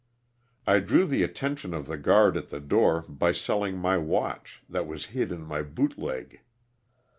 I drew the attention of the guard at the door by selling my watch that was hid in my boot leg.